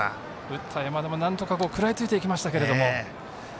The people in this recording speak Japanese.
打った山田もなんとか食らいついていきましたけども。